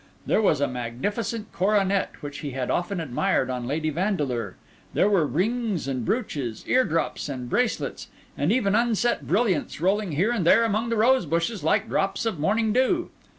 There was a magnificent coronet which he had often admired on Lady Vandeleur; there were rings and brooches, ear drops and bracelets, and even unset brilliants rolling here and there among the rosebushes like drops of morning dew.